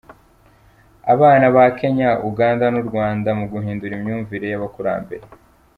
Abana ba Kenya, Uganda n’u Rwanda mu guhindura imyumvire y’abakurambere